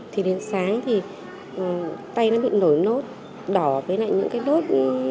thì đến sáng thì tay nó bị nổi nốt đỏ với lại những cái nốt